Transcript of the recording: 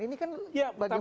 ini kan bagaimana kita lihat